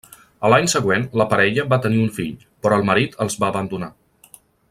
A l'any següent la parella va tenir un fill, però el marit els va abandonar.